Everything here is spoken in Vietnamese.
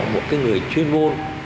một cái người chuyên môn